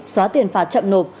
xóa tiền phạt chậm nộp